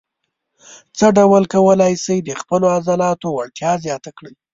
څه ډول کولای شئ د خپلو عضلاتو وړتیا زیاته کړئ.